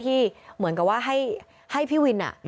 ที่เหมือนกับว่าให้พี่วิน